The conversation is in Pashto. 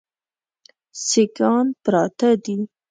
سیکهان پراته دي.